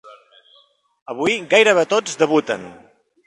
Avui gairebé tots debuten.